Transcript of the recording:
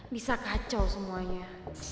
bisa kacau semuanya